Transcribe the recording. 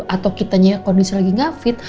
atau kita kondisi lagi gak fit